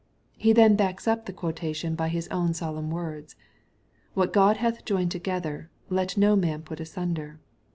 He then backs up the quotation by His own solemn words, " What God hath joined to gether, let not man put asunder."